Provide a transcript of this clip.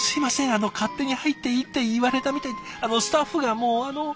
あの勝手に入っていいって言われたみたいであのスタッフがもうあの。